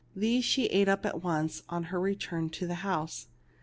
These she ate up at once on her return to the house.